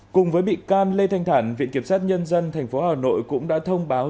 cùng với bị can lê thanh thản viện kiểm sát nhân dân tp hà nội cũng đã thông báo